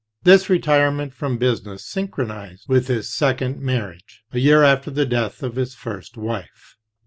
This retirement from business synchronized with his second marriage, a year after the death of his first wife.